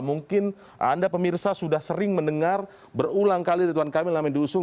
mungkin anda pemirsa sudah sering mendengar berulang kali rituan kamil namanya diusung